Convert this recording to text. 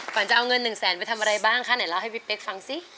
จะเอาเงินหนึ่งแสนไปทำอะไรบ้างคะไหนเล่าให้พี่เป๊กฟังสิ